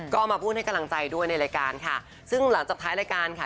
ก็มาพูดให้กำลังใจด้วยในรายการค่ะซึ่งหลังจากท้ายรายการค่ะ